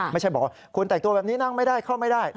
ไม่ใช่บอกว่าคุณแต่งตัวแบบนี้นั่งไม่ได้เข้าไม่ได้